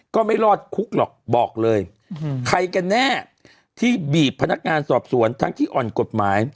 ก็ไม่รอดคุกหรอกบอกเลยใครกันแน่ที่บีบพนักงานสอบสวนทั้งที่อ่อนกฎหมาย